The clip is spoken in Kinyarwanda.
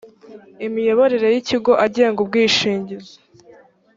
imiyoborere y’ ikigo agenga umwishingizi